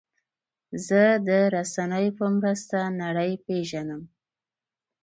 زه د رسنیو په مرسته نړۍ پېژنم.